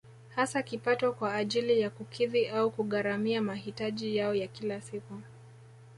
Hasa kipato kwa ajili ya kukidhi au kugharamia mahitaji yao ya kila siku